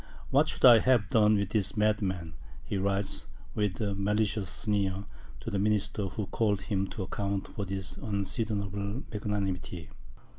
"What should I have done with this madman?" he writes, with a malicious sneer, to the minister who called him to account for this unseasonable magnanimity.